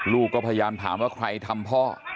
ลูกก็พยายามถามว่าใครทำพ่อ